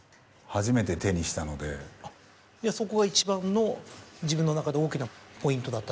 そこが一番の自分の中で大きなポイントだった？